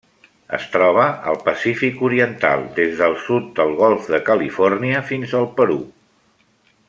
Es troba al Pacífic oriental: des del sud del Golf de Califòrnia fins al Perú.